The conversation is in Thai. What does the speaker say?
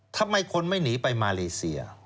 ทำไมคนไม่หนีไปมาเลเซีย